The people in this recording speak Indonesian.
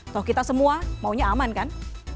toh kita semua maunya aman kan